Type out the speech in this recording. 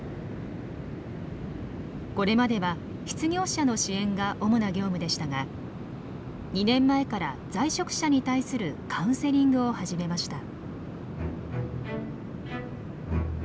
これまでは失業者の支援が主な業務でしたが２年前から在職者に対するカウンセリングを始めました。